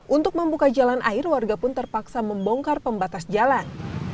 untuk membuka jalan air warga pun terpaksa membongkar pembatas jalan